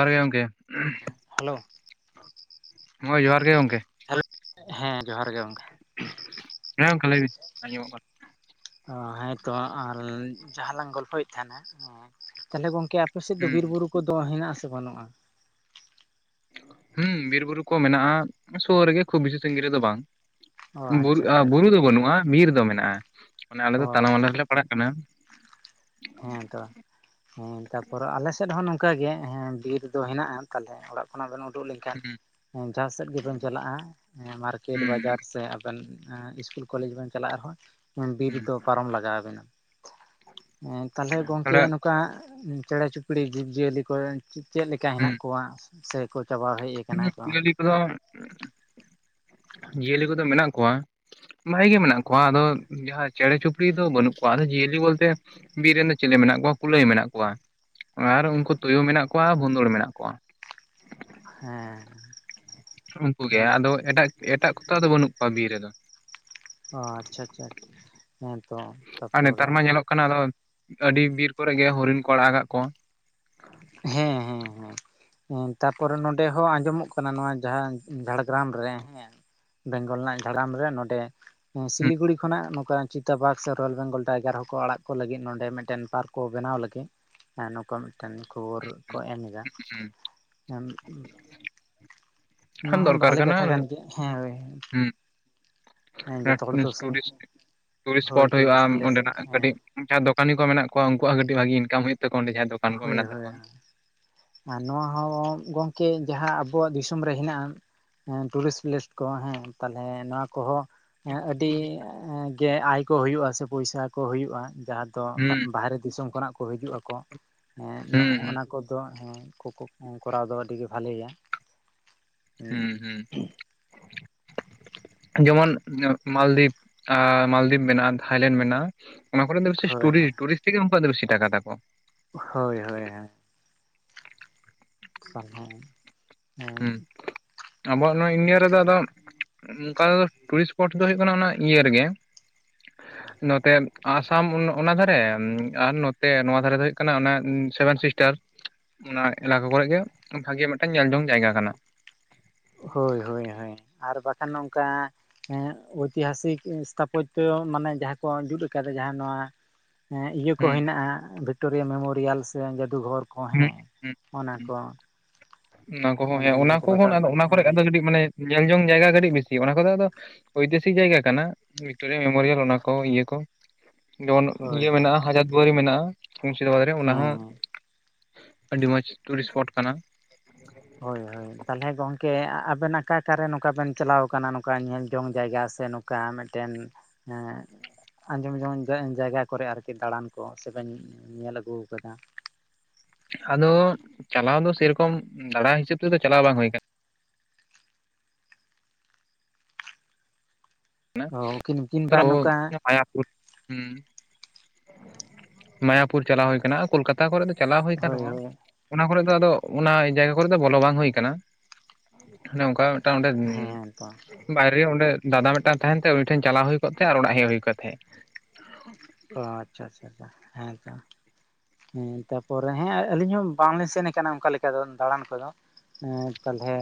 ᱡᱚᱦᱟᱨ ᱜᱮ ᱜᱚᱢᱠᱮ ᱦᱮᱞᱳ ᱦᱳᱭ ᱡᱚᱦᱟᱨ ᱜᱮ ᱜᱚᱢᱠᱮ ᱦᱮᱞᱳ ᱦᱮᱸ ᱡᱚᱦᱟᱨ ᱜᱮ ᱜᱚᱝᱠᱮ ᱦᱮᱸ ᱜᱚᱝᱠᱮ ᱞᱟᱹᱭ ᱵᱤᱱ ᱟᱸᱡᱚᱢᱚᱜ ᱠᱟᱱᱟ᱾ ᱚ ᱦᱮᱸᱛᱚ ᱟᱨ ᱡᱟᱦᱟᱸ ᱞᱟᱝ ᱜᱚᱞᱯᱷᱚᱭᱮᱫ ᱛᱟᱦᱮᱱᱟ ᱦᱮ ᱛᱟᱦᱚᱞᱮ ᱜᱚᱝᱠᱮ ᱟᱯᱮ ᱥᱮᱫ ᱫᱚ ᱵᱤᱨ ᱦᱩᱸ ᱵᱩᱨᱩ ᱠᱚ ᱫᱚ ᱦᱮᱱᱟᱜᱼᱟ ᱥᱮ ᱵᱟᱹᱱᱩᱜᱼᱟ᱾ ᱦᱩ ᱵᱤᱨ ᱵᱩᱨᱩ ᱠᱚ ᱢᱮᱱᱟᱜᱼᱟ ᱥᱚᱨ ᱨᱮ ᱜᱮ ᱠᱷᱩᱵ ᱵᱤᱥᱤ ᱥᱟᱜᱤᱧ ᱨᱮᱫᱚ ᱵᱟᱝ᱾ ᱚ ᱟᱪᱪᱷᱟ ᱟᱪᱪᱷᱟ ᱟᱪᱪᱷᱟ ᱵᱩᱨᱩ ᱫᱚ ᱵᱟᱹᱱᱩᱜᱼᱟ ᱵᱤᱨ ᱫᱚ ᱢᱮᱱᱟᱜᱼᱟ ᱢᱟᱱᱮ ᱟᱞᱮ ᱚ ᱫᱚ ᱛᱟᱞᱟ ᱟᱪᱪᱷᱟ ᱢᱟᱞᱟ ᱨᱮᱞᱮ ᱯᱟᱲᱟᱜ ᱠᱟᱱᱟ᱾ ᱦᱮᱸ ᱛᱚ ᱦᱮᱸ ᱛᱟᱯᱚ ᱨᱮ ᱟᱞᱮ ᱥᱮᱫ ᱦᱚᱸ ᱱᱚᱝᱠᱟ ᱜᱮ ᱵᱤᱨ ᱫᱚ ᱦᱮᱱᱟᱜᱼᱟ ᱛᱟᱞᱦᱮ ᱚᱲᱟᱜ ᱠᱷᱚᱱᱟᱜ ᱩᱰᱩᱜ ᱞᱮᱼᱼ ᱠᱟᱱ ᱦᱩᱸ ᱡᱟᱦᱟ ᱥᱮᱫ ᱜᱮ ᱵᱮᱱ ᱪᱟᱞᱟᱜᱼᱟ ᱢᱟᱨᱠᱮᱴ ᱦᱩᱸ ᱵᱟᱡᱟᱨ ᱥᱮ ᱟᱵᱮᱱ ᱤᱥᱠᱩᱞ ᱠᱚᱞᱮᱡ ᱵᱮᱱ ᱪᱟᱞᱟᱜ ᱨᱟ ᱦᱚᱸ ᱵᱤᱨ ᱦᱩᱸ ᱫᱚ ᱯᱟᱨᱚᱢ ᱞᱟᱜᱟᱣ ᱟᱵᱮᱱᱟ ᱦᱮᱸ ᱛᱟᱦᱮᱞᱮ ᱜᱚᱝᱠᱮ ᱛᱷᱚᱲᱟ ᱱᱚᱝᱠᱟ ᱦᱟᱜ ᱪᱮᱬᱮ ᱪᱩᱯᱲᱤ ᱡᱤᱵᱽ ᱡᱤᱭᱟᱹᱞᱤ ᱠᱚ ᱪᱮᱜ ᱞᱮᱠᱟ ᱦᱩᱸ ᱦᱮᱱᱟᱜ ᱠᱚᱣᱟ ᱥᱮ ᱠᱚ ᱪᱟᱵᱟ ᱦᱮᱡ ᱠᱟᱱᱟ ᱠᱚ ᱟᱫᱚ ᱡᱤᱭᱟᱹᱞᱤ ᱠᱚ ᱫᱚ ᱢᱮᱱᱟᱜ ᱠᱚᱣᱟ ᱵᱷᱟᱜᱤ ᱜᱮ ᱢᱮᱱᱟᱜ ᱠᱚᱣᱟ ᱟᱫᱚ ᱡᱟᱦᱟ ᱪᱮᱬᱮ ᱪᱩᱯᱲᱤ ᱫᱚ ᱵᱟᱹᱱᱩᱜ ᱠᱚᱣᱟ ᱟᱫᱚ ᱡᱤᱭᱟᱹᱞᱤ ᱵᱚᱞ ᱛᱮ ᱵᱤᱨ ᱨᱮᱱ ᱫᱚ ᱪᱮᱞᱮ ᱢᱮᱱᱟᱜ ᱠᱚᱣᱟ ᱠᱩᱞᱟᱹᱭ ᱢᱮᱱᱟᱜ ᱠᱚᱣᱟ ᱟᱨ ᱩᱱᱠᱩ ᱛᱩᱭᱩ ᱢᱮᱱᱟᱜ ᱠᱚᱣᱟ ᱵᱚᱱᱫᱚᱲ ᱢᱮᱱᱟᱜ ᱠᱚ ᱣᱟ ᱦᱮᱸ ᱩᱱᱠᱩ ᱜᱮ ᱟᱫᱚ ᱮᱴᱟᱜ ᱮᱴᱟᱜ ᱠᱚ ᱛᱚ ᱟᱫᱚ ᱵᱟᱹᱱᱩᱜ ᱠᱚᱣᱟ ᱵᱤᱨ ᱨᱮᱫᱚ ᱚ ᱟᱪᱷᱟ ᱟᱪᱷᱟ ᱦᱮᱸ ᱛᱚ ᱟᱨ ᱛᱟᱯᱚᱨ ᱱᱮᱛᱟᱨ ᱢᱟ ᱧᱮᱞᱚᱜ ᱠᱟᱱᱟ ᱟᱫᱚ ᱟᱹᱰᱤ ᱵᱤᱨ ᱠᱚᱨᱮ ᱜᱮ ᱦᱚᱨᱤᱱ ᱠᱚ ᱟᱲᱟᱜ ᱠᱟᱜ ᱠᱚ ᱣᱟ ᱦᱮᱸ ᱦᱮᱸ ᱦᱮᱸ ᱛᱟᱯᱚ ᱨᱮ ᱱᱚᱰᱮ ᱦᱚᱸ ᱟᱡᱚᱢᱚᱜ ᱠᱟᱱᱟ ᱱᱚᱣᱟ ᱡᱟᱦᱟ ᱡᱷᱟᱲᱜᱨᱟᱢ ᱨᱮ ᱦᱮᱸ ᱵᱮᱝᱜᱚᱞ ᱨᱮᱱᱟᱜ ᱡᱷᱟᱲᱟᱢ ᱨᱮ ᱱᱚᱰᱮ ᱮᱸ ᱦᱩᱸ ᱥᱤᱞᱤᱜᱩᱲᱤ ᱠᱷᱚᱱᱟᱜ ᱱᱚᱝᱠᱟ ᱪᱤᱛᱟᱵᱟᱨᱽ ᱥᱮ ᱨᱚᱭᱮᱞ ᱵᱮᱝᱜᱚᱞ ᱴᱟᱭᱜᱟᱨ ᱦᱚ ᱠᱚ ᱟᱲᱟᱜ ᱠᱚ ᱞᱟᱹᱜᱤᱫ ᱱᱚᱰᱮ ᱢᱤᱫᱴᱮᱱ ᱯᱟᱨᱠ ᱠᱚ ᱵᱮᱱᱟᱣ ᱞᱟᱹᱜᱤᱫ ᱱᱚᱠᱟ ᱢᱤᱫ ᱴᱮᱱ ᱠᱷᱚᱵᱚᱨ ᱠᱚ ᱮᱢ ᱮᱫᱟ ᱦᱩᱸ [inaudible] ᱱᱚᱣᱟ ᱦᱩᱸ ᱦᱚᱸ ᱫᱚᱨᱠᱟᱨ ᱵᱷᱟᱞᱮ ᱠᱟᱱᱟ ᱠᱟᱛᱷᱟ ᱠᱟᱱ ᱜᱮᱭᱟ [unintelligible] ᱦᱮᱸ ᱡᱚᱛᱚ ᱦᱚᱲ ᱫᱚ ᱩᱨᱤᱥᱴ ᱴᱩᱨᱤᱥᱴ ᱦᱳᱭ ᱥᱯᱚᱴ ᱦᱩᱭᱩᱜᱼᱟ ᱴᱩᱨᱤᱥᱴ ᱯᱞᱮᱥ ᱚᱰᱮᱱᱟᱜ ᱦᱮᱸ ᱠᱟᱹᱴᱤᱡ ᱡᱟᱦᱟ ᱫᱚᱠᱟᱱᱤ ᱠᱚ ᱢᱮᱱᱟᱜ ᱠᱚᱣᱟ ᱩᱱᱠᱩᱣᱟᱜ ᱦᱚ ᱠᱟᱴᱤᱡ ᱵᱷᱟᱜᱤ ᱤᱱᱠᱟᱢ ᱦᱩᱭᱩᱜ ᱛᱟᱠᱚᱣᱟ ᱚᱰᱮ ᱡᱟᱦᱟ ᱦᱚᱭ ᱦᱚᱭ ᱟ ᱱᱚᱣᱟ ᱦᱚᱸ ᱜᱚᱢᱠᱮ ᱡᱟᱦᱟ ᱟᱵᱚᱣᱟᱜ ᱫᱤᱥᱚᱢ ᱨᱮ ᱦᱮᱱᱟᱜᱼᱟ ᱦᱮᱸ ᱴᱩᱨᱤᱥ ᱯᱞᱮᱥ ᱠᱚ ᱦᱮᱸ ᱛᱟᱦᱞᱮ ᱱᱚᱣᱟ ᱠᱚ ᱦᱚᱸ ᱟᱹᱰᱤ ᱜᱮ ᱟᱭ ᱠᱚ ᱦᱩᱭᱩᱜᱼᱟ ᱥᱮ ᱯᱚᱭᱥᱟ ᱠᱚ ᱦᱩᱭᱩᱜᱼᱟ ᱡᱟᱦᱟ ᱛᱚ ᱦᱩᱸ ᱵᱟᱦᱮᱨᱮ ᱫᱤᱥᱚᱢ ᱠᱷᱚᱱᱟᱜ ᱠᱚ ᱦᱤᱡᱩᱜ ᱟᱠᱚ ᱦᱮ ᱦᱩᱸ ᱱᱚᱜ ᱦᱩᱸ ᱱᱟ ᱠᱚᱫᱚ ᱦᱮ ᱠᱚ ᱠᱚ ᱠᱚᱨᱟᱣ ᱫᱚᱦᱚ ᱞᱤᱜᱤ ᱵᱷᱟᱞᱮ ᱭᱟ ᱦᱩ ᱦᱩ [inaudible] ᱡᱮᱢᱚᱱ ᱢᱟᱞᱫᱤᱯ ᱢᱟᱞᱫᱤᱯ ᱢᱮᱱᱟᱜᱼᱟ ᱛᱷᱟᱭᱞᱮᱱ ᱢᱮᱱᱟᱜᱼᱟ ᱚᱱᱟ ᱠᱚᱨᱮ ᱫᱚ ᱵᱮᱥᱤ ᱦᱳᱭ ᱴᱩᱨᱤᱥ ᱴᱩᱨᱤᱥ ᱛᱮᱜᱮ ᱩᱝᱠᱩᱣᱟᱜ ᱫᱚ ᱵᱤᱥᱤ ᱴᱟᱠᱟ ᱛᱟᱠᱚ ᱦᱚᱭ ᱦᱚᱭ ᱦᱚᱭ ᱥᱞᱦᱮᱜ ᱮ ᱦᱩ ᱟᱵᱚᱣᱟᱜ ᱱᱚᱣᱟ ᱤᱱᱰᱤᱭᱟ ᱨᱮ ᱫᱚ ᱟᱫᱚ ᱚᱝᱠᱟ ᱫᱚ ᱴᱩᱨᱤᱥ ᱥᱯᱚᱴ ᱫᱚ ᱦᱚᱭᱜ ᱠᱟᱱᱟ ᱚᱱᱟ ᱤᱭᱟᱹ ᱨᱮ ᱜᱮ [inaudible] ᱱᱚᱛᱮ ᱟᱥᱟᱢ ᱚᱱᱟ ᱫᱷᱟ ᱨᱮ ᱟᱨ ᱱᱚᱛᱮ ᱱᱚᱣᱟ ᱫᱷᱟ ᱨᱮ ᱫᱚ ᱦᱩᱭᱩᱜ ᱠᱟᱱᱟ ᱚᱱᱟ ᱥᱮᱵᱮᱱ ᱥᱤᱥᱴᱟᱨ [inaudible] ᱚᱱᱟ ᱮᱞᱟ ᱠᱟ ᱠᱚᱨᱮ ᱜᱮ ᱵᱷᱟᱜᱮ ᱢᱤᱫ ᱴᱟᱝ ᱧᱮᱞᱡᱚᱝ ᱡᱟᱭᱜᱟ ᱠᱟᱱᱟ ᱦᱚᱭ ᱦᱚᱭ ᱦᱚᱭ ᱟᱨ ᱵᱟᱠᱷᱟᱱ ᱱᱚᱝᱠᱟ ᱦᱮ ᱚᱭᱛᱤ ᱦᱟᱥᱤᱠ ᱤᱥᱛᱷᱟᱯᱚᱪ ᱫᱚ ᱢᱟᱱᱮ ᱡᱟᱦᱟ ᱠᱚ ᱡᱩᱛ ᱟᱠᱟᱫᱟ ᱡᱟᱦᱟ ᱱᱚᱣᱟ ᱦᱮᱸ ᱤᱭᱟᱹ ᱠᱚ ᱦᱩᱸ ᱦᱮᱱᱟᱜ-ᱟ ᱵᱷᱤᱠᱴᱳᱨᱤᱭᱟ ᱢᱮᱢᱳᱨᱤᱭᱟᱞ ᱥᱮ ᱡᱟᱫᱩᱜᱷᱚᱨ᱾ ᱠᱚ ᱦᱩᱸ ᱦᱮᱸ ᱦᱩᱸ ᱚᱱᱟ ᱦᱩᱸ, ᱠᱚ ᱚᱱᱟ ᱠᱚᱦᱚᱸ ᱦᱮᱸ ᱟᱵᱮᱱ ᱚᱱᱟ ᱵᱮᱱ ᱪᱟᱞᱟᱣ ᱠᱚᱦᱚᱸ ᱫᱟᱲᱮᱭᱟᱜᱼᱟ ᱚᱱᱟ ᱠᱚᱨᱮ ᱦᱳᱭ ᱟᱫᱚ ᱠᱟᱴᱤ ᱢᱟᱱᱮ ᱧᱮᱞ ᱡᱚᱝ ᱡᱟᱭᱜᱟ ᱠᱟᱹᱴᱤᱡ ᱵᱤᱥᱤ ᱚᱱᱟ ᱠᱚᱫᱚ ᱟᱫᱚ ᱳᱭᱛᱤᱦᱟᱥᱤᱠ ᱡᱟᱭᱜᱟ ᱠᱟᱱᱟ, ᱵᱷᱤᱠᱴᱳᱨᱤᱭᱟ ᱢᱮᱢᱳᱨᱤᱭᱟᱞ ᱚᱱᱟ ᱠᱚ ᱤᱭᱟᱹ ᱠᱚ᱾ ᱡᱮᱢᱚᱱ ᱦᱳᱭ ᱤᱭᱟᱹ ᱦᱳᱭ ᱢᱮᱱᱟᱜ-ᱟ ᱦᱟᱡᱟᱨ ᱫᱩᱣᱟᱨᱤ ᱢᱮᱱᱟᱜ-ᱟ ᱢᱩᱨᱥᱤᱫᱟᱵᱟᱫᱽ ᱨᱮ ᱚᱱᱟ ᱦᱮᱸ ᱦᱚᱸ᱾ ᱟᱹᱰᱤ ᱢᱚᱸᱡᱽ ᱴᱩᱨᱤᱥ ᱥᱯᱚᱴ ᱠᱟᱱᱟ᱾ ᱦᱳᱭ ᱦᱳᱭ ᱛᱟᱦᱞᱮ ᱜᱚᱢᱴᱝᱠᱮ ᱟᱵᱮᱱ ᱟᱠᱟ ᱟᱠᱟᱨᱮ ᱱᱚᱝᱠᱟ ᱵᱮᱱ ᱪᱟᱞᱟᱣ ᱠᱟᱱᱟ ᱱᱚᱝᱠᱟ ᱧᱮᱞ ᱡᱚᱝ ᱡᱟᱭᱜᱟ ᱥᱮᱠᱟ ᱥᱮ ᱱᱚ ᱠᱟ ᱢᱮᱫᱴᱮᱱ ᱮᱸᱻ ᱟᱸᱡᱚᱢ ᱡᱚᱝ ᱡᱟᱭ ᱡᱟᱭᱜᱟ ᱠᱚᱨᱮ ᱟᱨᱠᱤ ᱫᱟᱬᱟᱱ ᱠᱚ ᱥᱮᱵᱮᱱ ᱧᱮᱞ ᱟᱹᱜᱩᱣ ᱟᱠᱟᱫᱟ? ᱟᱫᱚ ᱪᱟᱞᱟᱣ ᱫᱚ ᱥᱮᱨᱚᱠᱚᱢ ᱫᱟᱬᱟ ᱦᱤᱥᱟᱹᱵᱽ ᱛᱮᱫᱚ ᱪᱟᱞᱟᱣ ᱵᱟᱝ ᱦᱩᱭ ᱠᱟᱱᱟ᱾ ᱠᱟᱱᱟ, ᱚ ᱠᱤᱱ ᱠᱤᱱᱵᱟ ᱛᱚ ᱱᱚᱝᱠᱟ ᱢᱟᱭᱟᱯᱩᱨ ᱦᱩᱸ, ᱢᱟᱭᱟᱯᱩᱨ ᱪᱟᱞᱟᱣ ᱦᱩᱭᱠᱟᱱᱟ ᱠᱳᱞᱠᱟᱛᱟ ᱠᱚᱨᱮ ᱫᱚ ᱪᱟᱞᱟᱣ ᱦᱩᱭ ᱠᱟᱱ ᱦᱳᱭ ᱨᱮᱦᱚᱸ ᱦᱳᱭ ᱚᱱᱟ ᱠᱚᱨᱮ ᱫᱚ ᱟᱫᱚ ᱚᱱᱟ ᱡᱟᱭᱜᱟ ᱠᱚᱨᱮ ᱫᱚ ᱵᱚᱞᱚ ᱵᱟᱝ ᱦᱩᱭ ᱟᱠᱟᱱᱟ, ᱱᱚᱝᱠᱟ ᱢᱤᱴᱟᱹᱝ ᱚᱸᱰᱮ ᱦᱮᱸ ᱛᱚ ᱵᱟᱭᱨᱮ ᱚᱸᱰᱮ ᱫᱟᱫᱟ ᱢᱤᱫᱴᱟᱝ ᱛᱟᱸᱦᱮᱱ ᱛᱮ ᱩᱱᱤ ᱴᱷᱮᱱ ᱪᱟᱞᱟᱣ ᱦᱩᱭ ᱠᱚᱜ ᱛᱮ ᱟᱨ ᱚᱲᱟᱜ ᱦᱮᱡ ᱦᱩᱭ ᱠᱚ ᱛᱟᱦᱮᱸᱜ᱾ ᱚ, ᱟᱪᱪᱷᱟ ᱟᱪᱪᱷᱟ ᱟᱪᱪᱷᱟ, ᱦᱮᱸ ᱛᱚ᱾ ᱦᱮᱸ ᱛᱟᱯᱚᱨᱮ ᱦᱮᱸ ᱟᱹᱞᱤᱧ ᱦᱚᱸ ᱵᱟᱝ ᱞᱤᱧ ᱥᱮᱱ ᱠᱟᱱᱟ ᱚᱜᱠᱟ ᱞᱮᱠᱟ ᱫᱚ ᱫᱟᱬᱟᱱ ᱠᱚᱫᱚ᱾ ᱦᱮᱸ ᱛᱟᱞᱦᱮ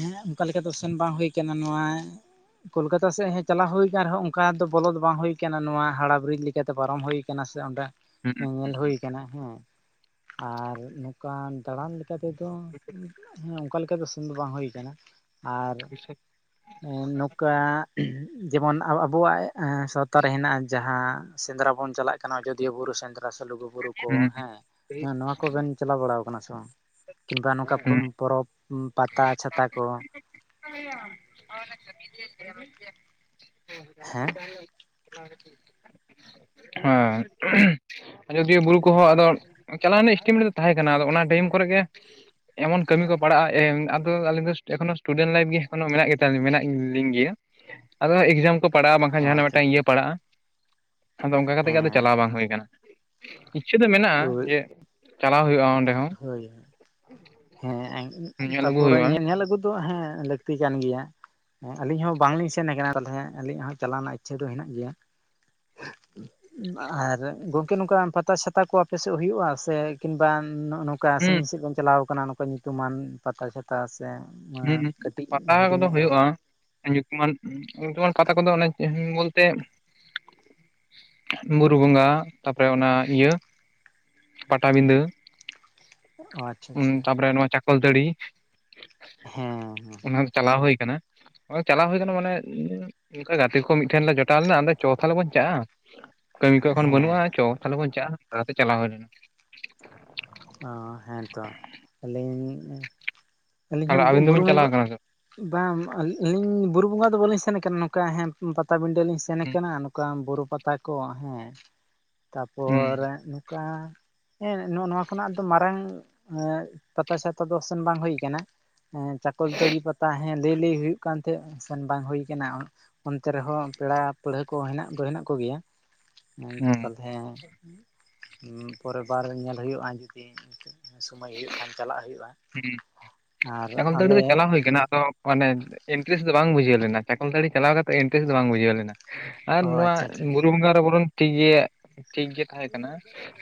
ᱦᱮᱸ ᱚᱱᱠᱟ ᱞᱮᱠᱟ ᱫᱚ ᱥᱮᱱ ᱵᱟᱝ ᱦᱩᱭ ᱠᱟᱱᱟ ᱱᱚᱣᱟ ᱠᱳᱞᱠᱟᱛᱟ ᱥᱮᱫ ᱦᱮᱡ ᱪᱟᱞᱟᱣ ᱦᱩᱭ ᱟᱠᱟᱱ ᱨᱮᱦᱚᱸ ᱚᱱᱠᱟ ᱫᱚ ᱵᱚᱞᱚ ᱫᱚ ᱵᱟᱝ ᱦᱩᱭ ᱟᱠᱟᱱᱟ ᱱᱚᱣᱟ ᱦᱟᱳᱲᱟ ᱵᱨᱤᱡᱽ ᱞᱮᱠᱟᱛᱮ ᱯᱟᱨᱚᱢ ᱦᱩᱭ ᱟᱠᱟᱱᱟ ᱥᱮ ᱚᱸᱰᱮ ᱦᱩᱸ ᱧᱮᱧᱮᱞ ᱦᱩᱭ ᱠᱟᱱᱟ ᱦᱮᱸ, ᱟᱨ ᱱᱚᱝᱠᱟᱱ ᱫᱟᱬᱟᱱ ᱞᱮᱠ ᱞᱮᱠᱟ ᱛᱮᱫᱚ, ᱦᱮᱸ ᱚᱱᱠᱟ ᱞᱮᱠᱟ ᱫᱚ ᱥᱮᱱ ᱫᱚ ᱵᱟᱝ ᱦᱩᱭ ᱠᱟᱱᱟ, ᱟᱨ ᱮᱸ ᱱᱚᱠᱟᱻ ᱡᱮᱢᱚᱱ ᱟ-ᱟᱵᱚᱣᱟᱜ ᱮᱸ ᱥᱟᱶᱛᱟ ᱨᱮ ᱦᱮᱱᱟᱜ-ᱟ ᱡᱟᱦᱟᱸ ᱥᱮᱸᱫᱽᱨᱟ ᱵᱚᱱ ᱪᱟᱞᱟᱜ ᱠᱟᱱᱟ ᱟᱡᱚᱫᱤᱭᱟᱹ ᱵᱩᱨᱩ ᱥᱮᱸᱫᱽᱨᱟ ᱥᱮ ᱞᱩᱜᱩ ᱵᱩᱨᱩ ᱠᱚ ᱦᱮᱸ, ᱦᱮᱸ ᱱᱚᱣᱟ ᱠᱚᱵᱮᱱ ᱪᱟᱞᱟᱣ ᱵᱟᱲᱟᱣ ᱠᱟᱱᱟ ᱥᱮ ᱵᱟᱝ? ᱠᱤᱝᱵᱟ ᱱᱚᱝᱠᱟ ᱦᱩᱸ ᱯᱚᱨᱚᱵᱽ ᱯᱟᱛᱟ ᱪᱷᱟᱛᱟ ᱠᱚ? ᱦᱮᱸ [unintelligible] ᱦᱮᱸ᱾ ᱟᱡᱚᱫᱤᱭᱟᱹ ᱵᱩᱨᱩ ᱠᱚᱦᱚᱸ ᱟᱫᱚ ᱪᱟᱞᱟᱣ ᱨᱮᱱᱟᱜ ᱥᱴᱤᱮᱢᱮᱴ ᱫᱚ ᱛᱟᱦᱮᱸ ᱠᱟᱱᱟ ᱟᱫᱚ ᱚᱱᱟ ᱴᱟᱭᱤᱢ ᱠᱚᱨᱮ ᱜᱮ ᱮᱢᱚᱱ ᱠᱟᱹᱢᱤ ᱠᱚ ᱯᱟᱲᱟᱜ-ᱟ ᱮ ᱟᱫᱚ ᱟᱞᱤᱧ ᱫᱚ ᱮᱠᱷᱚᱱᱳ ᱥᱴᱩᱰᱮᱱᱴ ᱞᱟᱭᱤᱯᱷ ᱜᱮ ᱮᱠᱷᱚᱱᱳ ᱢᱮᱱᱟᱜ ᱜᱮ ᱛᱟᱞᱤ, ᱢᱮᱱᱟᱜ ᱞᱤᱧ ᱜᱮᱭᱟ᱾ ᱟᱫᱚ ᱮᱠᱡᱟᱢ ᱠᱚ ᱯᱟᱲᱟᱜ-ᱟ ᱵᱟᱝᱠᱷᱟᱱ ᱚ ᱡᱟᱸᱦᱟᱱᱟᱜ ᱟᱪᱪᱷᱟ ᱢᱤᱫᱴᱟᱝ ᱟᱪᱪᱷᱟ ᱤᱭᱟᱹ ᱯᱟᱲᱟᱜ-ᱟ ᱟᱫᱚ ᱚᱝᱠᱟ ᱠᱟᱛᱮᱜ ᱜᱮ ᱟᱫᱚ ᱪᱟᱞᱟᱣ ᱦᱮᱸ ᱵᱟᱝ ᱦᱩᱭ ᱠᱟᱱᱟ᱾ ᱤᱪᱪᱷᱟᱹ ᱫᱚ ᱢᱮᱱᱟᱜ-ᱟ ᱦᱳᱭ ᱡᱮ ᱪᱟᱞᱟᱣ ᱦᱩᱭᱩᱜ-ᱟ ᱚᱸᱰᱮ ᱦᱚᱸ᱾ ᱦᱳᱭ ᱦᱮᱸ ᱧᱮᱞ ᱟᱹᱜᱩ ᱛᱟᱯᱚᱨᱮ ᱦᱩᱭᱩᱜᱼᱟ ᱧᱮ ᱧᱮᱞ ᱟᱹᱜᱩ ᱫᱚ ᱦᱮᱸ ᱞᱟᱹᱠᱛᱤ ᱠᱟᱱ ᱜᱮᱭᱟ᱾ ᱦᱮᱸ ᱟᱹᱞᱤᱧ ᱦᱚᱸ ᱵᱟᱝᱞᱤᱧ ᱥᱮᱱ ᱠᱟᱱᱟ ᱛᱟᱞᱦᱮ ᱟᱹᱞᱤᱧᱟᱜ ᱦᱚᱸ ᱪᱟᱞᱟᱣ ᱨᱮᱱᱟᱜ ᱤᱪᱪᱷᱟᱹ ᱫᱚ ᱦᱮᱱᱟᱜ ᱜᱮᱭᱟ᱾ ᱟᱨ ᱜᱚᱝᱠᱮ ᱱᱚᱝᱠᱟ ᱯᱟᱛᱟ ᱪᱷᱟᱛᱟ ᱠᱚ ᱟᱯᱮ ᱥᱮᱫ ᱦᱩᱭᱩᱜ-ᱟ ᱥᱮ? ᱠᱤᱢᱵᱟ ᱱᱚᱜ-ᱚ ᱱᱚᱝᱠᱟ ᱦᱩᱸ ᱥᱟᱺᱜᱤᱧ ᱥᱮᱫ ᱵᱮᱱ ᱪᱟᱞᱟᱣ ᱠᱟᱱᱟ ᱱᱚᱝᱠᱟ ᱧᱩᱛᱩᱢᱟᱱ ᱯᱟᱛᱟ ᱪᱷᱟᱛᱟ ᱥᱮ ᱦᱩᱸ ᱠᱟᱹᱴᱤᱡ ᱯᱟᱛᱟ ᱦᱩᱰᱤᱧ ᱠᱚᱫᱚ ᱧᱚᱜ ᱨᱮᱦᱚᱸ᱾ ᱦᱩᱭᱩᱜᱼᱟ ᱧᱩᱛᱩᱢᱟᱱ, ᱡᱮᱢᱚᱱ ᱯᱟᱛᱟ ᱠᱚᱫᱚ ᱚᱱᱮ ᱵᱚᱞᱛᱮ ᱵᱩᱨᱩ ᱵᱚᱸᱜᱟ ᱛᱟᱯᱚᱨᱮ ᱚᱱᱟ ᱤᱭᱟᱹ ᱯᱟᱴᱟᱵᱤᱸᱫᱟᱹ᱾ ᱚ ᱟᱪᱪᱷᱟ ᱩᱸ ᱟᱪᱪᱷᱟ ᱛᱟᱨᱯᱚᱨᱮ ᱱᱚᱣᱟ ᱪᱟᱠᱚᱞᱛᱟᱹᱲᱤ᱾ ᱦᱮᱸ ᱦᱮᱸ᱾ ᱚᱱᱟ ᱪᱟᱞᱟᱣ ᱦᱩᱭ ᱠᱟᱱᱟ, ᱪᱟᱞᱟᱣ ᱦᱩᱭ ᱟᱠᱟᱱᱟ ᱢᱟᱱᱮ ᱚᱱᱠᱟ ᱜᱟᱛᱮ ᱠᱚ ᱢᱤᱫᱴᱷᱮᱱ ᱞᱮ ᱡᱚᱴᱟᱣ ᱞᱮᱱᱟ ᱟᱫᱚ ᱪᱚ ᱛᱟᱦᱞᱮ ᱵᱚᱱ ᱪᱟᱜ-ᱟ᱾ ᱠᱟᱹᱢᱤ ᱠᱚ ᱮᱠᱷᱚᱱ ᱦᱮᱸ ᱵᱟᱹᱱᱩᱜᱼᱟ ᱪᱚ ᱛᱟᱦᱚᱞᱮ ᱵᱚᱱ ᱪᱟᱜᱼᱟ ᱚᱱᱠᱟ ᱛᱮ ᱪᱟᱞᱟᱣ ᱦᱩᱭ ᱞᱮᱱᱟ᱾ ᱚ ᱦᱮᱸᱛᱚ ᱟᱹᱞᱤᱧ ᱟᱹᱞᱤᱧ ᱛᱟᱦᱚᱞᱮ ᱦᱚᱸ ᱟᱵᱤᱱ ᱵᱩᱨᱩ ᱫᱚᱵᱤᱱ ᱪᱟᱞᱟᱣ ᱵᱚᱸᱜᱟ᱾ ᱠᱟᱱᱟ ᱥᱮ ᱵᱟᱝ ᱟᱹᱞᱤᱧ ᱵᱩᱨᱩ ᱵᱚᱸᱜᱟ ᱫᱚ ᱵᱟᱹᱞᱤᱧ ᱥᱮᱱ ᱟᱠᱟᱱᱟ ᱱᱚᱝᱠᱟ ᱦᱮᱸ᱾ ᱯᱟᱴᱟᱵᱤᱸᱰᱟᱹ ᱞᱤᱧ ᱥᱮᱱ ᱦᱩᱸ ᱠᱟᱱᱟ ᱱᱚᱝᱠᱟ ᱵᱩᱨᱩ ᱯᱟᱛᱟ ᱠᱚ ᱦᱮᱸ᱾ ᱛᱟᱯᱚᱨ ᱦᱩᱸ ᱱᱚᱝᱠᱟ ᱦᱮᱸ ᱱᱚᱜᱼᱚ ᱱᱚᱣᱟ᱾ ᱠᱷᱚᱱᱟᱜ ᱟᱫᱚ ᱢᱟᱨᱟᱝ ᱯᱟᱛᱟ ᱪᱷᱟᱛᱟ ᱫᱚ ᱥᱮᱱ ᱵᱟᱝ ᱦᱩᱭ ᱟᱠᱟᱱᱟ᱾ ᱪᱟᱠᱚᱞ ᱛᱟᱹᱲᱤ ᱯᱟᱛᱟ ᱦᱮᱸ ᱞᱟᱹᱭ ᱞᱟᱹᱭ ᱦᱩᱭᱩᱜ ᱠᱟᱱ ᱛᱟᱦᱮᱸᱫ ᱥᱮᱱ ᱵᱟᱝ ᱦᱩᱭᱠᱟᱱᱟ᱾ ᱚᱱᱛᱮ ᱨᱮᱦᱚᱸ ᱯᱮᱲᱟ ᱯᱟᱹᱲᱦᱟᱹ ᱠᱚ ᱦᱮᱱᱟᱜ ᱫᱚ ᱦᱮᱱᱟᱜ ᱠᱚ ᱜᱮᱭᱟ᱾ ᱦᱩᱸ ᱛᱟᱞᱦᱮ ᱯᱚᱨᱮᱨ ᱵᱟᱨ ᱧᱮᱞ ᱦᱩᱭᱩᱜᱼᱟ ᱡᱩᱫᱤ ᱤᱠᱟᱹ᱾ ᱥᱳᱢᱳᱭ ᱦᱩᱭᱩᱜ ᱠᱷᱟᱱ ᱪᱟᱞᱟᱜ ᱦᱩᱭᱩᱜᱼᱟ᱾ ᱦᱮᱸ ᱟᱨ ᱪᱟᱠᱚᱞᱼᱛᱟᱹᱲᱤ ᱟᱞᱮ ᱫᱚ ᱪᱟᱞᱟᱣ ᱦᱩᱭ ᱠᱟᱱᱟ, ᱟᱫᱚ᱾ ᱢᱟᱱᱮ ᱤᱱᱴᱟᱨᱮᱥᱴ ᱫᱚ ᱵᱟᱝ ᱵᱩᱡᱷᱟᱹᱣ ᱞᱮᱱᱟ ᱪᱟᱠᱚᱞ ᱛᱟᱲᱤ ᱪᱟᱞᱟᱣ ᱠᱟᱛᱮᱫ ᱤᱱᱴᱟᱨᱮᱥᱴ ᱫᱚ ᱵᱟᱝ ᱵᱩᱡᱷᱟᱹᱣ ᱞᱮᱱᱟ᱾ ᱟᱨ ᱚ ᱱᱚᱣᱟ ᱟᱪᱪᱷᱟ ᱟᱪᱪᱷᱟ ᱵᱩᱨᱩ ᱵᱚᱸᱜᱟ ᱨᱮ ᱵᱚᱨᱚᱱ ᱴᱷᱤᱠ ᱜᱮ ᱴᱷᱤᱠ ᱜᱮ ᱛᱟᱦᱮᱸ ᱠᱟᱱᱟ᱾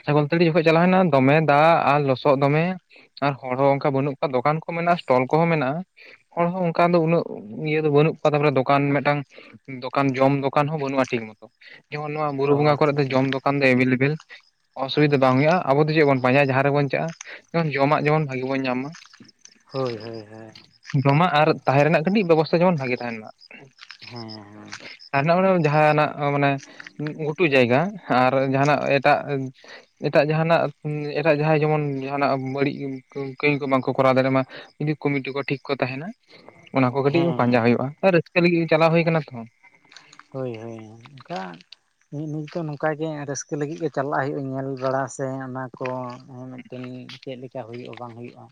ᱥᱟᱹᱲᱤ ᱡᱚᱠᱷᱚᱱ ᱪᱟᱞᱟᱣ ᱦᱩᱭ ᱞᱮᱱᱟ ᱫᱚᱢᱮ ᱫᱟᱜ ᱟᱨ ᱞᱚᱥᱚᱫ ᱫᱚᱢᱮ ᱟᱨ᱾ ᱦᱚᱲ ᱦᱚᱸ ᱚᱱᱠᱟ ᱵᱟᱹᱱᱩᱜ ᱠᱚᱣᱟ ᱫᱚᱠᱟᱱ ᱠᱚ ᱢᱮᱱᱟᱜᱼᱟ ᱥᱴᱚᱞ ᱠᱚᱦᱚᱸ ᱢᱮᱱᱟᱜᱼᱟ᱾ ᱦᱚᱲ ᱦᱚᱸ ᱚᱱᱠᱟ ᱫᱚ ᱩᱱᱟᱹᱜ ᱤᱭᱟᱹ ᱫᱚ ᱵᱟᱹᱱᱩᱜ ᱠᱚᱣᱟ ᱛᱟᱯᱚᱨᱮ ᱫᱚᱠᱟᱱ ᱢᱤᱫᱴᱟᱝ᱾ ᱫᱚᱠᱟᱱ ᱡᱚᱢ ᱫᱚᱠᱟᱱ ᱦᱚᱸ ᱵᱟᱹᱱᱩᱜᱼᱟ ᱴᱷᱤᱠ ᱢᱚᱛᱚ ᱡᱮᱢᱚᱱ ᱱᱚᱣᱟ ᱵᱩᱨᱩ ᱚ ᱵᱚᱸᱜᱟ ᱠᱚᱨᱮ ᱟᱪᱪᱷᱟ ᱫᱚ ᱟᱪᱪᱷᱟ ᱡᱚᱢ ᱫᱚᱠᱟᱱ᱾ ᱫᱚᱠᱟᱱ ᱫᱚ ᱮᱵᱮᱞ ᱮᱵᱮᱞ ᱚᱥᱩᱵᱤᱫᱟ ᱵᱟᱝ ᱦᱩᱭᱩᱜᱼᱟ ᱟᱵᱚ ᱫᱚ ᱪᱮᱫ ᱵᱚᱱ ᱯᱟᱸᱡᱟᱭᱟ ᱡᱟᱦᱟᱸ ᱨᱮᱵᱚᱱ ᱪᱟᱜ ᱡᱮᱢᱚᱱ ᱡᱚᱢᱟᱜ ᱡᱮᱢᱚᱱ᱾ ᱵᱷᱟᱜᱤ ᱵᱚᱱ ᱧᱟᱢ ᱢᱟ᱾ ᱦᱳᱭ ᱦᱳᱭ ᱦᱳᱭ᱾ ᱡᱚᱢᱟᱜ ᱟᱨ ᱛᱟᱦᱮᱸ ᱨᱮᱱᱟᱜ ᱠᱟᱹᱴᱤᱡ ᱵᱮᱵᱚᱥᱛᱷᱟ ᱡᱮᱢᱚᱱ ᱵᱷᱟᱜᱤ ᱛᱟᱦᱮᱱ ᱢᱟ᱾ ᱦᱮᱸ ᱦᱮᱸ᱾ ᱟᱨ ᱱᱚᱜᱚᱭ ᱡᱟᱦᱟᱱᱟᱜ ᱢᱟᱱᱮ ᱜᱷᱩᱴᱩ ᱡᱟᱭᱜᱟ ᱟᱨ ᱡᱟᱦᱟᱱᱟᱜ ᱮᱴᱟᱜ᱾ ᱮᱴᱟᱜ ᱡᱟᱦᱟᱱᱟᱜ ᱮᱴᱟᱜ ᱡᱟᱦᱟᱸᱭ ᱡᱮᱢᱚᱱ ᱡᱟᱦᱱᱟᱜ ᱵᱟᱹᱲᱤᱡ᱾ ᱠᱟᱹᱢᱤ ᱠᱚ ᱵᱟᱝᱠᱚ ᱠᱚᱨᱟᱣ ᱫᱟᱲᱮᱭᱟᱜ ᱢᱟ ᱡᱩᱫᱤ ᱠᱚᱢᱤᱴᱤ ᱠᱚ ᱴᱷᱤᱠ ᱠᱚ ᱛᱟᱦᱮᱱᱟ᱾ ᱚᱱᱟ ᱠᱚ ᱠᱟᱹᱴᱤᱡ ᱦᱮᱸ ᱦᱮᱸ ᱯᱟᱸᱡᱟ ᱦᱩᱭᱩᱜᱼᱟ ᱦᱮᱸ ᱨᱟᱹᱥᱠᱟᱹ ᱞᱟᱹᱜᱤᱫ ᱪᱟᱞᱟᱣ ᱦᱩᱭ ᱠᱟᱱᱟ ᱛᱚ᱾ ᱦᱳᱭ ᱦᱳᱭ ᱚᱱᱠᱟ᱾ ᱱᱤᱛ ᱫᱚ ᱱᱚᱝᱠᱟ ᱜᱮ ᱨᱟᱹᱥᱠᱟᱹ ᱞᱟᱹᱜᱤᱫ ᱜᱮ ᱪᱟᱞᱟᱜ ᱦᱩᱭᱩᱜᱼᱟ ᱧᱮᱞ ᱵᱟᱲᱟ ᱥᱮ ᱚᱱᱟ ᱠᱚ ᱢᱤᱫᱴᱮᱱ᱾ ᱪᱮᱫ ᱞᱮᱠᱟ ᱦᱩᱭᱩᱜᱼᱟ ᱵᱟᱝ ᱦᱩᱭᱩᱜᱼᱟ